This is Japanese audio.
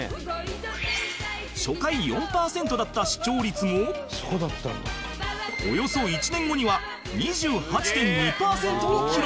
初回４パーセントだった視聴率もおよそ１年後には ２８．２ パーセントを記録